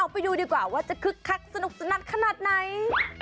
ไปดูดีกว่าว่าจะคึกคักสนุกสนานขนาดไหน